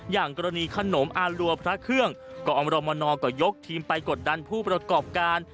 อย่างกรณีขนมอารัวพระเครื่องกรมรมนก็ยกทีมไปกดดันผู้ประกอบการ